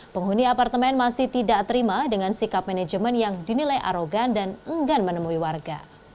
penghuni apartemen masih tidak terima dengan sikap manajemen yang dinilai arogan dan enggan menemui warga